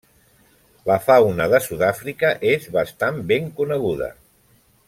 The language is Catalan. La fauna de Sud-àfrica és bastant ben coneguda.